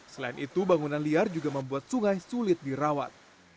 selain itu bangunan liar juga membuat sungai sulit dirawat